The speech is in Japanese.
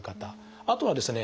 あとはですね